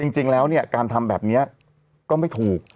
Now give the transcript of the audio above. จริงแล้วเนี่ยการทำแบบนี้ก็ไม่ถูก